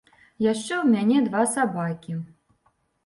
Яшчэ ў мяне два сабакі.